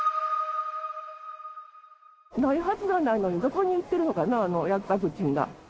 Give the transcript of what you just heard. ないはずがないのに、どこに行ってるのかな、ワクチンが。